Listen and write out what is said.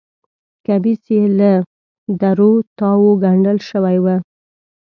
کمیس یې له درو تاوو ګنډل شوی و.